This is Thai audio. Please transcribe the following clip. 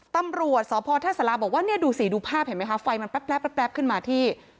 ตำรวจสพท่าสาราบอกว่าเนี่ยดูสิดูภาพเห็นไหมคะไฟมันแป๊บขึ้นมาที่